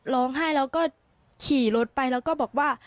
ร้องไห้แล้วก็ขี่รถไปแล้วก็บอกว่า